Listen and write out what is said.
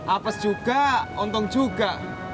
apes juga untung juga